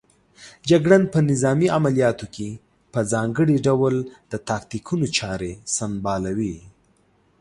جګړن په نظامي عملیاتو کې په ځانګړي ډول د تاکتیکونو چارې سنبالوي.